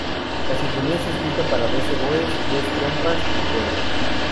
La sinfonía está escrita para dos oboes, dos trompas y cuerdas.